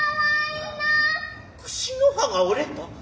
櫛の歯が折れた。